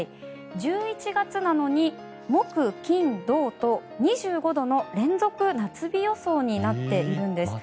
１１月なのに木、金、土と２５度の連続夏日予想になっているんです。